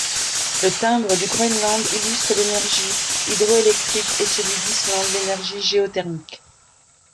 Le timbre du Groenland illustre l'énergie hydroélectrique et celui d'Islande l'énergie géothermique.